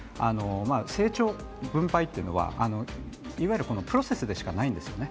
成長・分配っていうのは、いわゆるプロセスでしかないんですよね。